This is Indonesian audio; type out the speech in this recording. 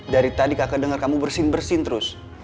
dari tadi kaka denger kamu bersin bersin terus